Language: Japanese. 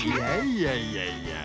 いやいやいやいや。